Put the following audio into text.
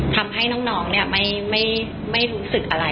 ทำให้น้องไม่รู้สึกอะไร